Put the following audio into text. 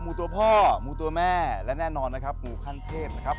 ตัวพ่อหมูตัวแม่และแน่นอนนะครับหมูขั้นเทพนะครับ